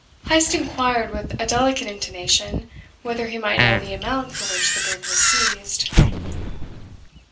Heyst inquired with a delicate intonation whether he might know the amount for which the brig was seized.